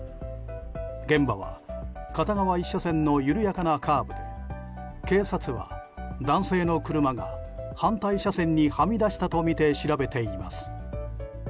現場は、片側１車線の緩やかなカーブで警察は男性の車が反対車線にはみ出したとみて調べています。